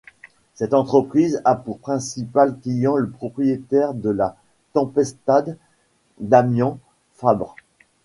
Cette entreprise a pour principal client le propriétaire de la Tempestad Damian Fabre.